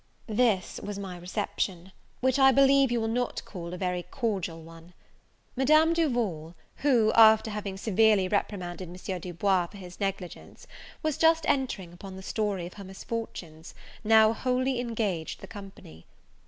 This was my reception, which I believe you will not call a very cordial one. Madame Duval, who, after having severely reprimanded M. Du Bois for his negligence, was just entering upon the story of her misfortunes, now wholly engaged the company.